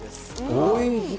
おいしい。